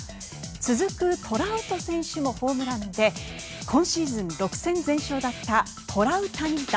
続くトラウト選手もホームランで今シーズン６戦全勝だったトラウタニ弾。